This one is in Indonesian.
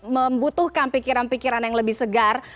membutuhkan pikiran pikiran yang lebih segar